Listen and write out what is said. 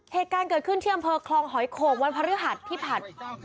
เหตุการณ์เกิดขึ้นที่อำเภอคลองหอยโขกวันพฤหัสที่ผ่านมา